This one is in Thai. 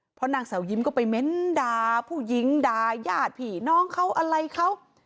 เพราะนางสาวยิ้มก็ไปเม้นด่าผู้หญิงด่ายาดผีน้องเขาอะไรเขา